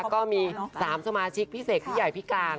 ก็มี๓สมาชิกพี่เสกพี่ใหญ่พี่กลาง